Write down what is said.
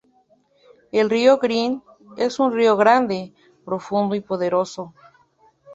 El río Green es un río grande, profundo y poderoso.